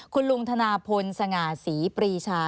คุณลุงธนาพลสง่าศรีปรีชา